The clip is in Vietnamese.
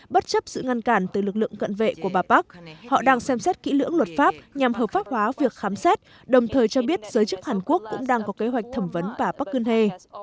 bất chấp sự ngăn cản từ lực lượng cận vệ của bà park họ đang xem xét kỹ lưỡng luật pháp nhằm hợp pháp hóa việc khám xét đồng thời cho biết giới chức hàn quốc cũng đang có kế hoạch thẩm vấn bà parkune